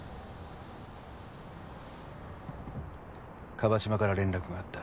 椛島から連絡があった。